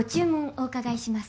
お伺いします。